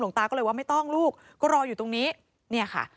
ตาก็เลยว่าไม่ต้องลูกก็รออยู่ตรงนี้เนี่ยค่ะ